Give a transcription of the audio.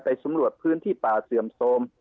สำรวจพื้นที่ป่าเสื่อมโทรม